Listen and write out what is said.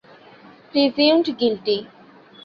Presumed Guilty!